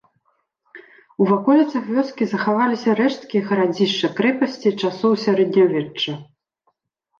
У ваколіцах вёскі захаваліся рэшткі гарадзішча-крэпасці часоў сярэднявечча.